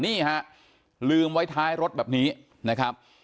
นี่ฮะลืมไว้ท้ายรถแบบนี้นะครับ